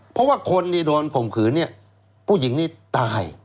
เพราะว่าคนที่โดนข่มขืนเนี่ยผู้หญิงนี้ตาย